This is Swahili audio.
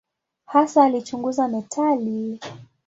Hasa alichunguza metali.